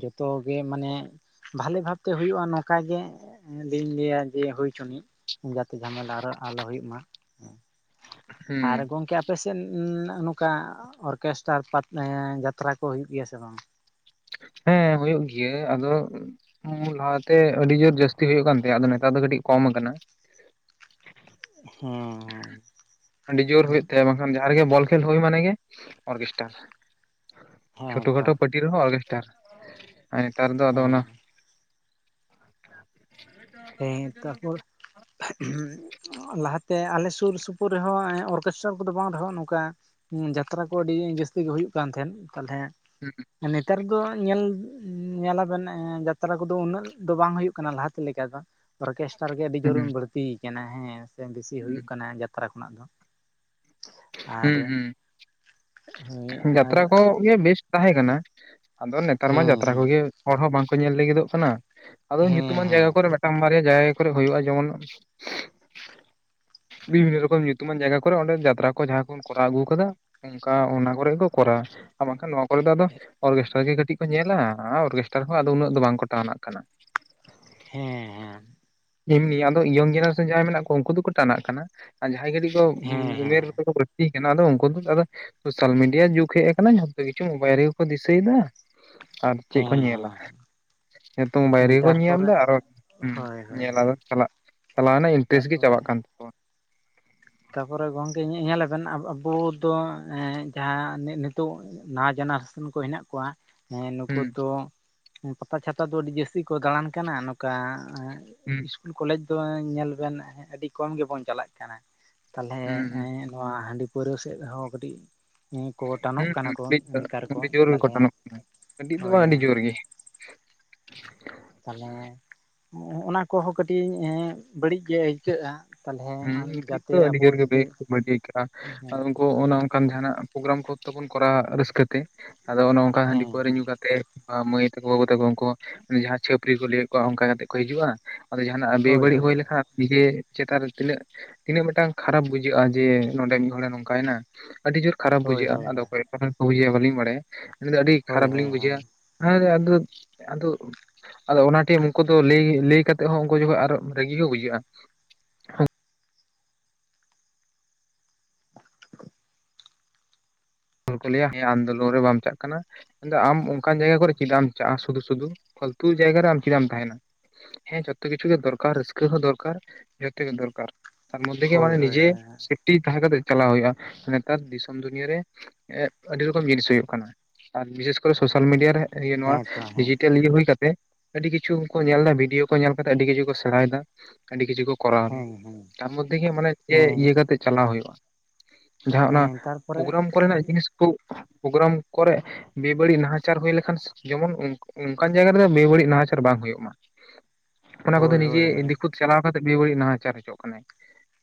ᱡᱚᱛᱚ ᱜᱮ ᱢᱟᱱᱮ᱾ ᱵᱷᱟᱞᱮ ᱵᱷᱟᱵ ᱛᱮ ᱦᱩᱭᱩᱜᱼᱟ ᱱᱚᱝᱠᱟᱜᱮ ᱡᱤᱧ ᱞᱟᱹᱭᱟ ᱡᱮ ᱦᱩᱭ ᱪᱚᱱᱤᱡ᱾ ᱡᱷᱟᱢᱮᱞᱟ ᱟᱨᱚ ᱟᱞᱚ ᱦᱩᱭᱩᱜ ᱢᱟ ᱦᱮ ᱦᱩᱸ ᱟᱨ ᱜᱚᱢᱠᱮ᱾ ᱟᱯᱮᱥᱮᱫ ᱱᱚᱝᱠᱟ ᱚᱨᱠᱮᱥᱴᱟᱨ ᱯᱟ ᱡᱟᱛᱨᱟ ᱠᱚ ᱦᱩᱭᱩᱜ ᱜᱮᱭᱟ ᱥᱮ ᱵᱟᱝ? ᱦᱮᱸ ᱦᱩᱭᱩᱜ ᱜᱮᱭᱟ ᱟᱫᱚ᱾ ᱞᱟᱦᱟᱛᱮ ᱟᱹᱰᱤ ᱡᱳᱨ ᱡᱟᱥᱛᱤ ᱦᱩᱭᱩᱜ ᱠᱟᱱ ᱛᱟᱦᱮᱸ ᱟᱫᱚ ᱱᱮᱛᱟᱨ ᱫᱚ ᱠᱟᱹᱴᱤᱡ ᱠᱚᱢ ᱟᱠᱟᱱᱟ᱾ ᱦᱩᱸ ᱾ ᱟᱹᱰᱤ ᱡᱳᱨ ᱦᱩᱭᱩᱜ ᱛᱟᱦᱮ ᱵᱟᱝᱠᱷᱟᱱ ᱡᱟᱦᱟᱸ ᱨᱮᱜᱮ ᱵᱚᱞ ᱠᱷᱮᱞ ᱦᱩᱭ ᱢᱟᱱᱮ ᱜᱮ ᱚᱨᱠᱮᱥᱴᱟᱨ᱾ ᱦᱮᱸ ᱪᱷᱳᱴᱳ ᱛᱚ ᱠᱷᱟᱴᱳ ᱯᱟᱴᱤ ᱨᱮᱦᱚᱸ ᱚᱨᱠᱮᱥᱴᱟᱨ ᱟᱨ ᱱᱮᱛᱟᱨ ᱫᱚ ᱟᱫᱚ ᱚᱱᱟ᱾ ᱦᱮᱸ [inaudible] ᱦᱮᱸ ᱛᱟᱨᱯᱚᱨ᱾ ᱞᱟᱦᱟᱛᱮ ᱟᱞᱮ ᱥᱩᱨ ᱥᱩᱯᱩᱨ ᱨᱮᱦᱚᱸ ᱚᱨᱠᱮᱥᱴᱟᱨ ᱠᱚᱫᱚ ᱵᱟᱝ ᱨᱮᱦᱚᱸ ᱱᱚᱝᱠᱟ᱾ ᱦᱮᱸ ᱡᱟᱛᱨᱟ ᱠᱚ ᱟᱹᱰᱤ ᱡᱟᱹᱥᱛᱤ ᱜᱮ ᱦᱩᱭᱩᱜ ᱠᱟᱱ ᱛᱟᱦᱮᱸᱱ ᱛᱟᱦᱚᱞᱮᱸ᱾ ᱦᱩᱸ ᱾ ᱱᱮᱛᱟᱨ ᱫᱚ ᱧᱮᱞ ᱧᱮᱞᱟᱵᱮᱱ ᱡᱟᱛᱨᱟ ᱠᱚᱫᱚ ᱩᱱᱟᱹᱜ ᱫᱚ ᱵᱟᱝ ᱦᱩᱭᱩᱜ ᱠᱟᱱᱟ ᱞᱟᱦᱟᱛᱮ ᱞᱮᱠᱟ ᱫᱚ᱾ ᱚᱨᱠᱮᱥᱴᱨᱟ ᱜᱮ ᱟᱹᱰᱤ ᱡᱳᱨ ᱦᱩᱸ ᱵᱟᱹᱲᱛᱤ ᱟᱠᱟᱱᱟ ᱦᱮᱸ ᱥᱮ ᱵᱮᱥᱤ ᱦᱩᱸ ᱦᱩᱭᱩᱜ ᱠᱟᱱᱟ ᱡᱟ᱾ ᱛᱨᱟ ᱠᱷᱚᱱᱟᱜ ᱫᱚ ᱟᱨ ᱦᱩᱸ ᱦᱩᱸ ᱢᱤ ᱟᱨ᱾ ᱡᱟᱛᱨᱟ ᱠᱚᱜᱮ ᱵᱮᱥᱴ ᱛᱟᱦᱮᱸ ᱠᱟᱱᱟ ᱟᱫᱚ ᱱᱮᱛᱟᱨ ᱢᱟ ᱦᱮᱸ ᱡᱟᱛᱨᱟ ᱠᱚᱜᱮ ᱦᱚᱲ ᱦᱚᱸ ᱵᱟᱝᱠᱚ ᱧᱮᱞ ᱞᱟᱹᱜᱤᱫᱚᱜ ᱠᱟᱱᱟ᱾ ᱟᱫᱚ ᱦᱮᱸ ᱧᱩᱛᱩᱢᱟᱱ ᱦᱮᱸ ᱦᱮᱸ ᱡᱟᱭᱜᱟ ᱠᱚᱨᱮ ᱢᱤᱫᱴᱟᱝ ᱵᱟᱨᱭᱟ ᱡᱟᱭᱦᱳᱠ ᱠᱚᱨᱮ ᱦᱩᱭᱩᱜᱼᱟ ᱡᱮᱢᱚᱱ ᱵᱤᱵᱷᱤᱱᱱᱚ ᱨᱚᱠᱚᱢ ᱧᱩᱛᱩᱢᱟᱱ ᱡᱟᱭᱜᱟ ᱠᱚᱨᱮ ᱚᱸᱰᱮ ᱡᱟᱛᱨᱟ ᱠᱚ ᱡᱟᱦᱟᱸ ᱠᱚᱢ ᱠᱚᱨᱟᱣ ᱟᱹᱜᱩᱣ ᱠᱟᱫᱟ ᱩᱝᱠᱟ ᱚᱱᱟ ᱠᱚᱨᱮ ᱜᱮ ᱠᱚ ᱠᱚᱨᱟᱣᱟ ᱟᱨ ᱵᱟᱝᱠᱷᱟᱱ ᱱᱚᱣᱟ ᱠᱚᱨᱮ ᱫᱚ ᱟᱫᱚ ᱚᱨᱜᱮᱥᱴᱟᱨ ᱜᱮ ᱠᱟᱹᱴᱤᱡ ᱠᱚ ᱧᱮᱞᱟ ᱟ ᱚᱨᱠᱮᱥᱴᱟᱨ ᱦᱚᱸ ᱟᱫᱚ ᱩᱱᱟᱹᱜ ᱫᱚ ᱵᱟᱝᱠᱚ ᱴᱟᱱᱟᱜ ᱠᱟᱱᱟ᱾ ᱦᱮᱸ ᱦᱮᱸ ᱮᱢᱱᱤ ᱟᱫᱚ ᱤᱭᱚᱝ ᱡᱮᱱᱟᱨᱮᱥᱚᱱ ᱡᱟᱦᱟᱸᱭ ᱢᱮᱱᱟᱜ ᱠᱚᱣᱟ ᱩᱱᱠᱩ ᱫᱚ ᱠᱟᱹᱴ ᱴᱟᱱᱟᱜ ᱠᱟᱱᱟ ᱟ ᱡᱟᱦᱟᱸᱭ ᱠᱟᱹᱴᱤᱡ ᱠᱚ ᱦᱮᱸ ᱩᱢᱮᱨ ᱩᱱᱠᱩ ᱠᱚ ᱞᱟᱹᱠᱛᱤ ᱠᱟᱱᱟ ᱟᱫᱚ ᱩᱱᱠᱩ ᱫᱚ ᱟᱫᱚ ᱥᱳᱥᱟᱞ ᱢᱤᱰᱤᱭᱟ ᱡᱩᱜᱽ ᱦᱮᱡ ᱟᱠᱟᱱᱟ ᱡᱷᱚᱛᱚ ᱠᱤᱪᱷᱩ ᱢᱳᱵᱟᱭᱤᱞ ᱨᱮᱜᱮ ᱠᱚ ᱫᱤᱥᱟᱹᱭᱮᱫᱟ᱾ ᱟᱨ ᱪᱮᱫ ᱠᱚ ᱦᱮᱸ ᱧᱮᱞᱟ? ᱦᱮᱸ ᱱᱮᱛᱚᱝ ᱦᱮᱸ ᱵᱟᱭᱨᱮ ᱜᱮᱠᱚ ᱧᱮᱞ ᱛᱟᱨᱯᱚᱨᱮ ᱫᱟ ᱟᱨᱚᱦᱚᱸ ᱦᱳᱭ ᱦᱩᱸ ᱦᱳᱭ ᱧᱮᱞ ᱦᱳᱭ ᱟᱨᱚ ᱪᱟᱞᱟᱜ ᱪᱟᱞᱟᱣ ᱨᱮᱱᱟᱜ ᱤᱱᱴᱮᱥ ᱜᱮ ᱛᱟᱨᱯᱚᱨᱮ ᱪᱟᱵᱟᱜ ᱠᱟᱱ ᱛᱟᱠ ᱛᱟᱯᱚᱨᱮ ᱜᱚᱝᱠᱮ ᱤᱧᱟᱹᱜ ᱧᱮᱞ ᱞᱮᱵᱮᱱ ᱟᱵᱚ ᱫᱚ ᱦᱮᱸ ᱡᱟᱦᱟᱸ ᱱᱤ ᱱᱤᱛ ᱛᱳᱜ ᱱᱟᱣᱟ ᱡᱮᱱᱟᱨᱮᱥᱚᱱ ᱠᱚ ᱦᱮᱱᱟᱜ ᱠᱚᱣᱟ ᱦᱮᱸ ᱱᱩᱠᱩ ᱦᱩᱸ ᱫᱚ ᱯᱟᱛᱟ ᱪᱷᱟᱛᱟ ᱫᱚ ᱟᱹᱰᱤ ᱡᱟᱹᱥᱛᱤ ᱠᱚ ᱫᱟᱬᱟᱱ ᱠᱟᱱᱟ ᱱᱚᱠᱟ ᱮᱸᱜ ᱦᱩᱸ ᱤᱥᱠᱩᱞ ᱠᱚᱞᱮᱡᱽ ᱫᱚ ᱧᱮᱞ ᱵᱮᱱ ᱟᱹᱰᱤ ᱠᱚᱢ ᱜᱮᱵᱚᱱ ᱪᱟᱞᱟᱜ ᱠᱟᱱᱟ᱾ ᱛᱟᱞᱦᱮ ᱦᱩᱸ ᱦᱩᱸ ᱮᱸ ᱱᱚᱣᱟ ᱦᱟᱺᱰᱤ ᱯᱟᱹᱣᱨᱟᱹ ᱥᱮᱫ ᱦᱚᱸ ᱠᱟᱹᱴᱤᱡ ᱦᱮᱸ ᱠᱚ ᱴᱟᱱᱚᱜ ᱦᱩᱸ ᱠᱟᱱᱟ ᱦᱩᱸ ᱠᱚ ᱱᱮᱠᱟᱨ ᱠᱚ ᱟᱹᱰᱤ ᱡᱳᱨ ᱜᱮᱠᱚ ᱛᱟᱞᱦᱮ ᱴᱟᱱᱚᱜ ᱠᱟᱱᱟ ᱠᱟᱹᱴᱤᱡ ᱫᱚ ᱦᱳᱭ ᱵᱟᱝ ᱟᱹᱰᱤ ᱦᱮᱸ᱾ ᱡᱳᱨ ᱜᱮ ᱛᱟᱞᱦᱮ ᱚᱸ ᱚᱱᱟ ᱠᱚᱦᱚᱸ ᱠᱟᱹᱴᱤᱡ ᱧᱮᱸᱜ ᱵᱟᱹᱲᱤᱡ ᱜᱮ ᱟᱹᱭᱠᱟᱹᱜᱼᱟ᱾ ᱛᱟᱦᱚᱞᱮ ᱦᱩᱸ ᱠᱟᱹᱴᱤᱡ ᱡᱟᱛᱮ ᱫᱚ ᱟᱹᱰᱤ ᱟᱵᱚ ᱡᱳᱨ ᱜᱮ ᱡᱩᱫᱤ [unintelligible] ᱦᱮᱸ ᱟᱫᱚ ᱩᱱᱠᱩ ᱚᱱᱟ ᱚᱱᱠᱟᱱ ᱡᱟᱦᱟᱸᱱᱟᱜ ᱯᱨᱳᱜᱨᱟᱢ ᱠᱚᱦᱚ ᱛᱚᱵᱚᱱ ᱠᱚᱨᱟᱣᱟ ᱨᱟᱹᱥᱠᱟᱹ ᱛᱮ ᱟᱫᱚ ᱚᱱᱮ ᱚᱱᱠᱟ ᱦᱟᱺᱰᱤ ᱦᱮᱸ ᱯᱟᱹᱣᱨᱟᱹ ᱦᱮᱸ ᱧᱩ ᱠᱟᱛᱮ ᱚᱱᱠᱟ ᱢᱟᱹᱭ ᱛᱟᱠᱚ ᱵᱟᱹᱵᱩ ᱛᱟᱠᱚ ᱩᱱᱠᱩ ᱦᱚᱸ ᱩᱱᱤ ᱡᱟᱦᱟᱸ ᱪᱷᱟᱹᱯᱟᱹᱨᱤ ᱠᱚ ᱞᱟᱹᱭᱮᱫ ᱠᱚᱣᱟ ᱚᱝᱠᱟ ᱠᱟᱛᱮᱜ ᱠᱚ ᱦᱤᱡᱩᱜᱼᱟ᱾ ᱟᱫᱚ ᱡᱟᱦᱟᱸᱱᱟᱜ ᱟᱹᱰᱤ ᱦᱳᱭ ᱵᱟᱹᱲᱤᱡ ᱦᱳᱭ ᱦᱩᱭ ᱦᱳᱭ ᱞᱮᱠᱷᱟ ᱱᱤᱡᱮ ᱪᱮᱛᱟᱱ ᱨᱮ ᱛᱤᱱᱟᱹᱜ ᱛᱤᱱᱟᱹᱜ ᱢᱤᱫᱴᱟᱝ ᱠᱷᱟᱨᱟᱯ ᱵᱩᱡᱷᱟᱹᱜᱼᱟ ᱡᱮ ᱱᱚᱸᱰᱮ ᱢᱤᱫ ᱦᱚᱲᱮ ᱱᱚᱝᱠᱟᱭᱱᱟ᱾ ᱟᱹᱰᱤ ᱡᱳᱨ ᱠᱷᱟᱨᱟᱯ ᱦᱳᱭ ᱵᱩᱡᱷᱟᱹᱜᱼᱟ ᱦᱳᱭ ᱟᱫᱚ ᱦᱳᱭ ᱚᱠᱚᱭ ᱟᱜ ᱠᱟᱛᱷᱟ ᱠᱚ ᱦᱩᱭᱟ ᱵᱟᱹᱞᱤᱧ ᱵᱟᱲᱟᱭᱟ ᱟᱹᱞᱤᱧ ᱫᱚ ᱟᱹᱰᱤ ᱦᱳᱭ ᱦᱳᱭ ᱠᱷᱟᱨᱟᱯ ᱦᱳᱭ ᱞᱤᱧ ᱵᱩᱡᱷᱟᱹᱣᱼᱟ᱾ ᱦᱟᱭᱨᱮ ᱟᱫᱚᱯ ᱟᱫᱚ ᱟᱫᱚ ᱚᱱᱟ ᱴᱤᱢ ᱩᱱᱠᱩ ᱫᱚ ᱞᱟᱹᱭ ᱞᱟᱹᱭ ᱠᱟᱛᱮᱫ ᱦᱚᱸ ᱩᱱᱠᱩ ᱡᱚᱠᱷᱚ ᱟᱨ ᱨᱟᱹᱜᱤ ᱠᱚ ᱵᱩᱡᱷᱟᱹᱜᱼᱟ᱾ [unintelligible] ᱦᱚᱲ ᱠᱚ ᱞᱟᱹᱭᱟ ᱦᱮᱸ ᱟᱱᱫᱳᱞᱚᱱ ᱨᱮ ᱵᱟᱢ ᱪᱟᱜ ᱠᱟᱱᱟ᱾ ᱢᱮᱱᱫᱚ ᱟᱢ ᱚᱱᱠᱟᱱ ᱡᱟᱭᱜᱟ ᱠᱚᱨᱮ ᱪᱮᱫᱟᱜ ᱮᱢ ᱪᱟᱜᱼᱟ ᱥᱩᱫᱷᱩ ᱥᱩᱫᱩ ᱯᱷᱟᱹᱞᱛᱩ ᱡᱟᱭᱜᱟ ᱨᱮ ᱟᱢ ᱪᱮᱫᱟᱜ ᱮᱢ ᱛᱟᱦᱮᱸᱱᱟ᱾ ᱦᱮᱸ ᱡᱚᱛᱚ ᱠᱤᱪᱷᱩ ᱜᱮ ᱫᱚᱨᱠᱟᱨ ᱨᱟᱹᱥᱠᱟᱹ ᱦᱚᱸ ᱫᱚᱨᱠᱟᱨ ᱡᱚᱛᱚ ᱜᱮ ᱫᱚᱨᱠᱟᱨ᱾ ᱛᱟᱨ ᱢᱳᱫᱫᱷᱮ ᱜᱮ ᱦᱳᱭ ᱢᱟᱱᱮ ᱦᱳᱭ ᱱᱤᱡᱮ ᱦᱳᱭ ᱥᱮᱯᱴᱤ ᱛᱟᱦᱮᱸᱜ ᱠᱟᱛᱮ ᱪᱟᱞᱟᱣ ᱦᱩᱭᱩᱜᱼᱟ ᱱᱮᱛᱟᱨ ᱫᱤᱥᱚᱢ ᱫᱩᱱᱤᱭᱟᱹ ᱨᱮ ᱮᱸᱜ ᱟᱹᱰᱤ ᱨᱚᱠᱚᱢ ᱡᱤᱱᱤᱥ ᱦᱩᱭᱩᱜ ᱠᱟᱱᱟ ᱟᱨ ᱵᱤᱥᱮᱥ ᱠᱚᱨᱮ ᱥᱳᱥᱟᱞ ᱢᱤᱰᱤᱭᱟ ᱨᱮ ᱤᱨᱭᱟᱹ ᱱᱚᱣᱟ ᱦᱮᱸ ᱛᱚ ᱦᱮᱸ ᱰᱤᱡᱤᱴᱮᱞ ᱤᱭᱟᱹ ᱦᱩᱭ ᱠᱟᱛᱮᱜ ᱟᱹᱰᱤ ᱠᱤᱪᱷᱩ ᱦᱚᱸᱠᱚ ᱧᱮᱞᱫᱟ ᱵᱷᱤᱰᱤᱭᱳ ᱠᱚ ᱧᱮᱞ ᱠᱟᱛᱮᱫ ᱟᱹᱰᱤ ᱠᱤᱪᱷᱩ ᱠᱚ ᱥᱮᱬᱟᱭᱫᱟ ᱟᱹᱰᱤ ᱠᱤᱪᱷᱩ ᱠᱚ ᱠᱚᱨᱟᱣ ᱢᱮ ᱦᱮᱸ ᱦᱮᱸ ᱛᱟᱨ ᱢᱚᱫᱫᱷᱮ ᱜᱮ ᱢᱟᱱᱮ ᱪᱮ ᱤᱭᱟᱹ ᱦᱮᱸ ᱠᱟᱛᱮᱜ ᱪᱟᱞᱟᱣ ᱦᱩᱭᱩᱜᱼᱟ᱾ ᱡᱟᱦᱟᱸ ᱚᱱᱟ ᱦᱮᱸ ᱛᱟᱨᱯᱚᱨᱮ ᱯᱳᱜᱨᱟᱢ ᱠᱚᱨᱮᱱᱟᱜ ᱡᱤᱱᱤᱥ ᱠᱩ ᱯᱳᱜᱨᱟᱢ ᱠᱚᱨᱮ ᱵᱮ ᱵᱟᱹᱲᱤᱡ ᱱᱟᱦᱟᱪᱟᱨ ᱦᱩᱭ ᱞᱮᱠᱷᱟᱱ ᱡᱮᱢᱚᱱ ᱩᱝᱠ ᱩᱱᱠᱟᱱ ᱡᱟᱭᱜᱟ ᱨᱮᱫᱚ ᱵᱮ ᱵᱟᱹᱲᱤᱡ ᱱᱟᱦᱟᱪᱟᱨ ᱵᱟᱝ ᱦᱩᱭᱩᱜ ᱢᱟ᱾ ᱚᱱᱟ ᱠᱚᱫᱚ ᱦᱳᱭ ᱱᱤᱡᱮ ᱦᱳᱭ ᱫᱤᱠᱩ ᱪᱟᱞᱟᱣ ᱠᱟᱛᱮᱫ ᱵᱮᱼᱵᱟᱹᱲᱤᱡ ᱱᱟᱦᱟᱪᱟᱨ ᱦᱚᱪᱚᱜ ᱠᱟᱱᱟᱭ᱾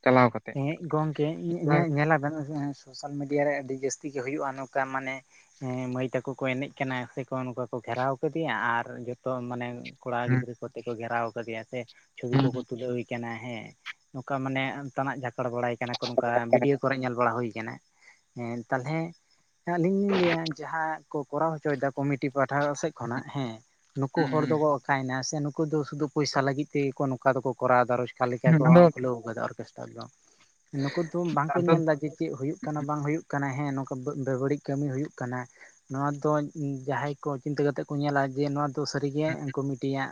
ᱪᱟᱞᱟᱣ ᱠᱟᱛᱮ ᱮᱸ ᱦᱮᱸ ᱜᱚᱝᱠᱮ ᱧᱮ ᱦᱩᱸ ᱧᱮᱞᱟᱵᱮᱱ ᱥᱳᱥᱟᱞ ᱢᱤᱰᱤᱭᱟ ᱨᱮ ᱟᱹᱰᱤ ᱡᱟᱹᱥᱛᱤ ᱜᱮ ᱦᱩᱭᱩᱜᱼᱟ ᱱᱚᱠᱟ ᱢᱟᱱᱮ ᱦᱮᱸ ᱢᱟᱹᱭ ᱛᱟᱠᱚ ᱠᱚ ᱮᱱᱮᱡ ᱠᱟᱱᱟ ᱥᱮᱠᱚ ᱱᱚᱠᱟ ᱠᱚ ᱜᱷᱮᱨᱟᱣ ᱠᱟᱹᱫᱮᱭᱟ ᱟᱨ ᱡᱚᱛᱚ ᱢᱟᱱᱮ ᱠᱚᱲᱟ ᱜᱤᱫᱽᱨᱟᱹ ᱠᱚᱛᱮ ᱠᱚ ᱜᱷᱮᱨᱟᱣ ᱠᱟᱫᱮᱭᱟ ᱥᱮ ᱪᱷᱚᱵᱤ ᱦᱩᱸ ᱠᱚᱠᱚ ᱛᱩᱞᱟᱹᱣ ᱤ ᱠᱟᱱᱟ ᱦᱮᱸ ᱱᱚᱠᱟ ᱢᱟᱱᱮ ᱛᱟᱱᱟᱜ ᱡᱷᱟᱯᱟᱲ ᱵᱟᱲᱟᱭ ᱠᱟᱱᱟ ᱠᱚ ᱱᱚᱠᱟ ᱵᱷᱤᱰᱭᱳ ᱠᱚᱨᱮ ᱧᱮᱞ ᱵᱟᱲᱟ ᱦᱩᱭ ᱠᱟᱱᱟ᱾ ᱦᱮᱸ ᱛᱟᱞᱦᱮ ᱟᱞᱤᱧ ᱞᱤᱧ ᱞᱟᱹᱭᱟ ᱡᱟᱦᱟᱸ ᱠᱚ ᱠᱚᱨᱟᱣ ᱦᱚᱪᱚᱭᱫᱟ ᱠᱚᱢᱤᱴᱤ ᱯᱟᱦᱟᱴᱟ ᱥᱮᱫ ᱠᱷᱚᱱᱟᱜ ᱦᱮᱸ ᱱᱩᱠᱩ ᱦᱩᱸ ᱦᱚᱲ ᱫᱚᱠᱚ ᱠᱟᱭᱱᱟ ᱥᱮ ᱱᱩᱠᱩ ᱫᱚ ᱥᱩᱫᱩ ᱯᱚᱭᱥᱟ ᱞᱟᱹᱜᱤᱫ ᱛᱮᱜᱮᱠᱚ ᱱᱚᱝᱠᱟ ᱫᱚᱠᱚ ᱠᱚᱨᱟᱣᱮᱫᱟ ᱨᱚᱡᱽᱠᱟᱨ ᱞᱮᱠᱟ ᱦᱩᱸ ᱠᱚ ᱦᱩᱸ ᱟᱫᱚ ᱠᱷᱩᱞᱟᱹᱣ ᱟᱠᱟᱫᱟ ᱟᱨ ᱜᱮᱥᱴᱟᱨ ᱫᱚ ᱱᱩᱠᱩ ᱫᱚ ᱵᱟᱝᱠᱚ ᱟᱫᱚ ᱧᱮᱞ ᱫᱟ ᱡᱮ ᱪᱮᱫ ᱦᱩᱭᱩᱜ ᱠᱟᱱᱟ ᱵᱟᱝ ᱦᱩᱭᱩᱜ ᱠᱟᱱᱟ ᱦᱮᱸ ᱱᱚᱝᱠᱟ ᱜᱮ ᱵᱟᱹᱲᱤᱡ ᱠᱟᱹᱢᱤ ᱦᱩᱭᱩᱜ ᱠᱟᱱᱟ ᱱᱚᱣᱟ ᱫᱚ ᱡᱟᱦᱟᱸᱭ ᱠᱚ ᱪᱤᱱᱛᱟᱹ ᱠᱟᱛᱮᱜ ᱠᱚ ᱧᱮᱞᱟ ᱡᱮ ᱱᱚᱣᱟ ᱛᱚ ᱥᱟᱹᱨᱤᱜᱮ ᱠᱩᱢᱤᱴᱤᱭᱟᱜ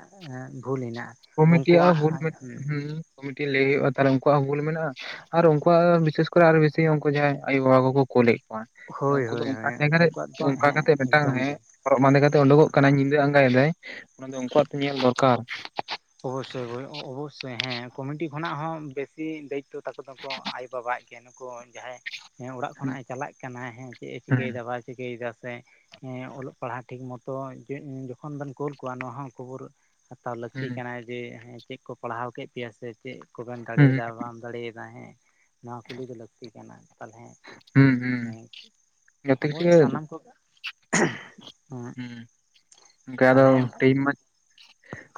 ᱵᱷᱩᱞ ᱦᱮᱱᱟᱜᱼᱟ ᱠᱚᱢᱤᱴᱤᱭᱟᱜ ᱩᱱᱠᱩᱣᱟᱜ ᱦᱚᱸ ᱵᱷᱩᱞ ᱦᱩ ᱠᱚᱢᱤᱴᱤ ᱞᱟᱹᱭ ᱦᱩᱭᱩᱜᱼᱟ ᱛᱟᱦᱚᱞᱮ ᱩᱱᱠᱩᱣᱟᱜ ᱦᱚᱸ ᱵᱷᱩᱞ ᱢᱮᱱᱟᱜᱼᱟ ᱟᱨ ᱩᱱᱠᱩᱣᱟᱜ ᱵᱤᱥᱮᱥ ᱠᱚᱨᱮ ᱟᱨ ᱵᱮᱥᱤ ᱩᱱᱠᱩ ᱡᱟᱦᱟᱸᱭ ᱟᱭᱩ ᱵᱟᱵᱟ ᱠᱚᱠᱚ ᱠᱳᱞᱮᱫ ᱠᱚᱣᱟ ᱦᱳᱭ ᱩᱱᱠᱩ ᱫᱚ ᱦᱳᱭ ᱚᱱᱠᱟ ᱦᱳᱭ ᱡᱟᱭᱜᱟᱟᱨ ᱨᱮ ᱩᱱᱠᱩᱣᱟᱜ ᱫᱚ ᱚᱱᱠᱟ ᱦᱮᱸ ᱠᱟᱛᱮᱫ ᱢᱤᱫᱴᱟᱝ ᱮᱠᱫᱚᱢ ᱦᱮᱸ ᱜᱮ ᱦᱚᱨᱚᱜ ᱵᱟᱸᱫᱮ ᱠᱟᱛᱮ ᱩᱰᱩᱠᱚᱜ ᱠᱟᱱᱟᱭ ᱧᱤᱫᱟᱹ ᱟᱸᱜᱟᱭᱫᱟᱭ ᱚᱱᱟ ᱫᱚ ᱩᱱᱠᱩᱣᱟᱜ ᱛᱮ ᱧᱮᱞ ᱫᱚᱨᱠᱟᱨ ᱚᱵᱚᱥᱥᱳᱭ ᱦᱳᱭ ᱚᱵᱚᱥᱥᱳᱭ ᱦᱮᱸ ᱠᱚᱢᱤᱴᱤ ᱠᱷᱚᱱᱟᱜ ᱦᱚᱸ ᱵᱮᱥᱤ ᱫᱟᱭᱤᱛᱛᱚ ᱛᱟᱠᱚ ᱫᱚ ᱱᱩᱠᱩ ᱟᱭᱳᱼᱵᱟᱵᱟ ᱟᱜ ᱜᱮ ᱱᱩᱠᱩ ᱡᱟᱦᱟᱸᱭ ᱦᱮᱸ ᱚᱲᱟᱜ ᱠᱷᱚᱱᱟᱜᱼ ᱦᱩᱸ ᱮ ᱪᱟᱞᱟᱜ ᱠᱟᱱᱟ ᱦᱮᱸ ᱪᱮᱫ ᱮ ᱦᱩᱸ ᱪᱤᱠᱟᱹᱭᱮᱫᱟ ᱵᱟᱭ ᱪᱤᱠᱟᱹᱭ ᱫᱟ ᱥᱮ ᱚᱞᱚᱜ ᱯᱟᱲᱦᱟᱜ ᱴᱷᱤᱠ ᱢᱚᱛᱚ ᱡᱚᱠᱷᱚᱱ ᱵᱮᱱ ᱠᱳᱞ ᱠᱚᱣᱟ ᱱᱚᱣᱟ ᱦᱚᱸ ᱠᱷᱚᱵᱚᱨ ᱦᱟᱛᱟᱣ ᱞᱟᱠ ᱛᱤ ᱦᱩᱸ ᱠᱟᱱᱟ ᱡᱮ ᱦᱮᱸ ᱪᱮᱫ ᱠᱚ ᱯᱟᱲᱦᱟᱣ ᱠᱮᱫ ᱯᱮᱭᱟ ᱥᱮ ᱪᱮᱫ ᱠᱚᱵᱮᱱ ᱦᱩᱸ ᱫᱟᱲᱮᱭᱟᱫᱟ ᱵᱟᱢ ᱫᱟᱲᱮᱭᱟᱫᱟ ᱦᱮᱸ ᱱᱚᱣᱟ ᱠᱩᱞᱤ ᱫᱚ ᱞᱟᱹᱠᱛᱤ ᱠᱟᱱᱟ ᱛᱟᱦᱚᱞᱮ ᱦᱩᱸ ᱦᱩᱸ ᱡᱷᱚᱛᱚ ᱟᱵᱚ ᱠᱤᱪᱷᱩ ᱜᱮ ᱦᱮᱸ ᱥᱟᱱᱟᱢ ᱠᱚ ᱜᱚᱢᱠᱮ ᱟᱫᱚ ᱛᱟᱦᱚᱞᱮ ᱴᱟᱭᱤᱢ ᱢᱟ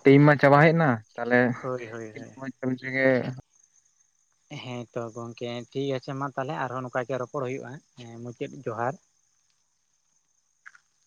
ᱴᱟᱭᱤᱢ ᱢᱟ ᱪᱟᱵᱟ ᱦᱮᱡ ᱮᱱᱟ ᱛᱟᱦᱞᱮ ᱦᱳᱭ ᱦᱳᱭ ᱦᱳᱭ [inaudible] ᱦᱮᱸ ᱛᱚ ᱜᱚᱝᱠᱮ ᱴᱷᱤᱠ ᱟᱪᱷᱮ ᱢᱟ ᱛᱟᱦᱚᱞᱮ ᱟᱨᱦᱚᱸ ᱱᱚᱝᱠᱟ ᱜᱮ ᱨᱚᱯᱚᱲ ᱦᱩᱭᱩᱜᱼᱟ ᱦᱮᱸ ᱢᱩᱪᱟᱹᱫ ᱡᱚᱦᱟᱨ